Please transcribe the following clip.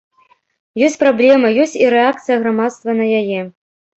Ёсць праблема, ёсць і рэакцыя грамадства на яе.